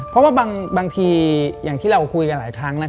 เพราะว่าบางทีอย่างที่เราคุยกันหลายครั้ง